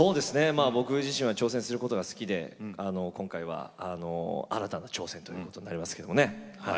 僕自身は挑戦することが好きで今回は新たな挑戦ということになりますけどね。